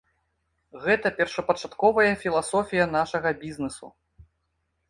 Гэта першапачатковая філасофія нашага бізнесу.